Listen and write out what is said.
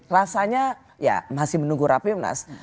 rasanya ya masih menunggu rapim nas